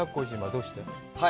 どうして？